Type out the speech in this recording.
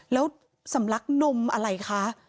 แล้วสำลักนมอะไรคะ